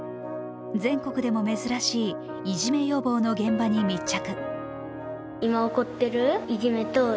全国でも珍しいいじめ予防の現場に密着。